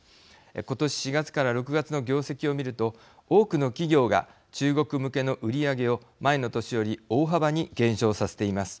今年４月から６月の業績を見ると多くの企業が中国向けの売り上げを前の年より大幅に減少させています。